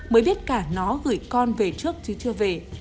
mới biết cả nó gửi con về trước chứ chưa về